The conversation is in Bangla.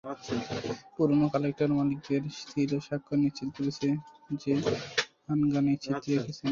পুরনো কালেক্টর-মালিকদের সীল এবং স্বাক্ষর নিশ্চিত করেছে যে হান গান এই চিত্র এঁকেছেন।